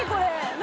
何！？